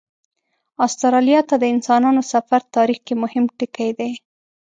استرالیا ته د انسانانو سفر تاریخ کې مهم ټکی دی.